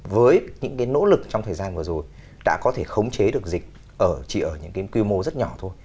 với những cái nỗ lực trong thời gian vừa rồi đã có thể khống chế được dịch chỉ ở những cái quy mô rất nhỏ thôi